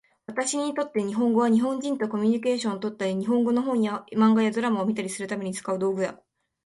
私にとって日本語は、日本人とコミュニケーションをとったり、日本語の本や漫画やドラマを見たりするために使う道具だ。